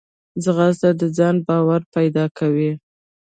ځغاسته د ځان باور پیدا کوي